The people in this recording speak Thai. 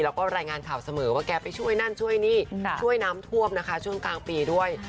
และก็รายงานข่าวเสมอว่าช่วยน้ำทวมช่วยกลางปีด้วย